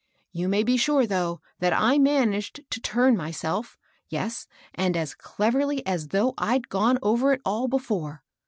You may be sure, though, that I managed to turn my self — yes, and as cleverly as though I'd gone over it nil before.